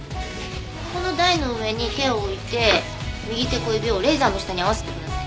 この台の上に手を置いて右手小指をレーザーの下に合わせてください。